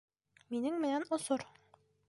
Минең менән осорһоң.